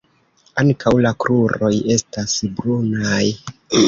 Ankaŭ la kruroj estas brunaj.